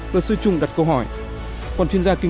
luật sư trung đặt câu hỏi